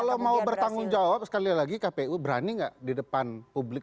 kalau mau bertanggung jawab sekali lagi kpu berani nggak di depan publik